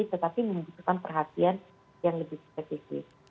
tetapi membutuhkan perhatian yang lebih spesifik